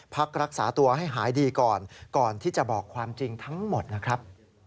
พักรักษาตัวให้หายดีก่อนก่อนที่จะบอกความจริงทั้งหมดนะครับ